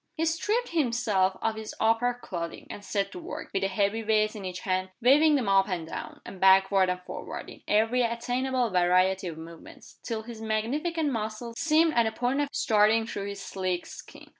He stripped himself of his upper clothing, and set to work, with the heavy weights in each hand, waving them up and down, and backward and forward, in every attainable variety o f movement, till his magnificent muscles seemed on the point of starting through his sleek skin.